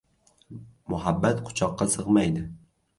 • Muhabbat quchoqqa sig‘maydi.